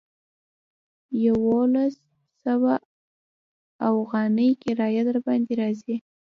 يوولس سوه اوغانۍ کرايه درباندې راځي.